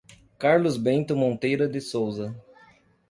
Carlos Bento Monteiro de Souza